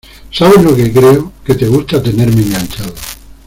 ¿ sabes lo que creo? que te gusta tenerme enganchado